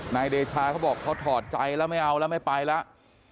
นายเดชาเขาบอกเขาถอดใจแล้วไม่เอาแล้วไม่ไปแล้ว